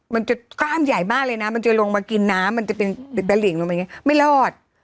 มันจะกล้ามใหญ่มากเลยนะมันจะลงมากินน้ำมันจะเป็นตะหลิงไม่รอด